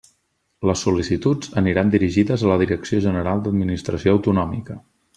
Les sol·licituds aniran dirigides a la Direcció General d'Administració Autonòmica.